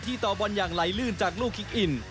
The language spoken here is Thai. ต่อบอลอย่างไหลลื่นจากลูกคิกอิน